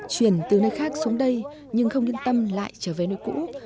chuyển từ nơi khác xuống đây nhưng không yên tâm lại trở về nơi cũ